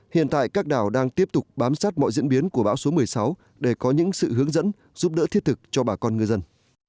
hiện tại các đảo đang tiếp tục bám sát mọi diễn biến của bão số một mươi sáu để có những sự hướng dẫn giúp đỡ thiết thực cho bà con ngư dân